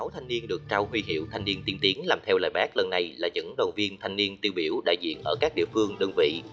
ba trăm ba mươi sáu thanh niên được trao huy hiệu thanh niên tiên tiến làm theo lời bác lần này là những đồng viên thanh niên tiêu biểu đại diện ở các địa phương đơn vị